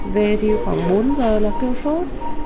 về thì khoảng bốn giờ là kêu phốt